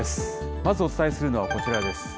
まずお伝えするのはこちらです。